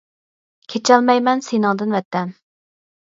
كېچەلمەيمەن سېنىڭدىن ۋەتەن!